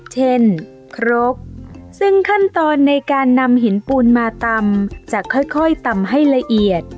นครกซึ่งขั้นตอนในการนำหินปูนมาตำจะค่อยตำให้ละเอียด